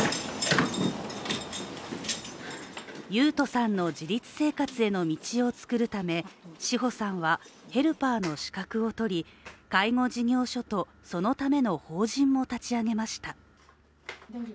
雄斗さんの自立生活への道を作るため、志穂さんはヘルパーの資格を取り、介護事業所とそのための法人も立ち上げました。